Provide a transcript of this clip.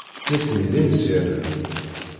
Nitni d imeẓyanen.